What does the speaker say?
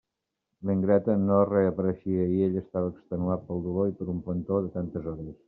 La ingrata no reapareixia, i ell estava extenuat pel dolor i per un plantó de tantes hores.